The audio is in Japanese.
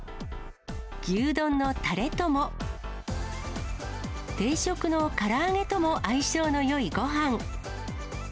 牛丼のたれとも、定食のから揚げとも相性のよいごはん。